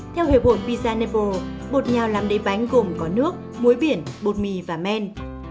theo hệ bột pizza napoli bột nhào làm đế bánh gồm có nước muối biển bột mì và men